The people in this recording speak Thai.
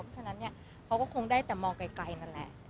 ฉะนั้นเนี่ยเขาก็คงได้แต่มองไกลนั่นแหละ